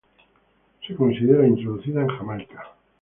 Se considera introducida en Jamaica.